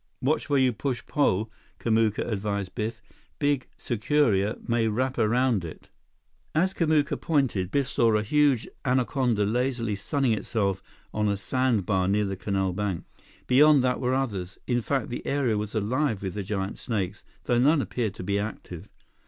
"Watch where you push pole," Kamuka advised Biff. "Big sucuria may wrap around it." As Kamuka pointed, Biff saw a huge anaconda lazily sunning itself on a sandbar near the canal bank. Beyond that were others; in fact, the area was alive with the giant snakes, though none appeared to be active.